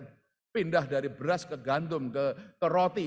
kita pindah dari beras ke gandum ke roti